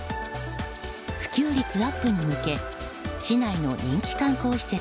普及率アップに向け市内の人気観光施設